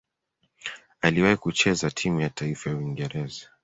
Aliwahi kucheza timu ya taifa ya Uingereza.